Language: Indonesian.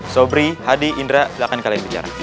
sobri hadi indra silahkan kalian bicara